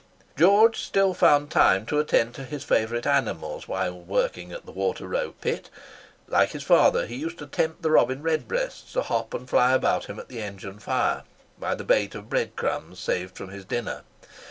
George still found time to attend to his favourite animals while working at the Water row Pit. Like his father, he used to tempt the robin redbreasts to hop and fly about him at the engine fire, by the bait of bread crumbs saved from his dinner.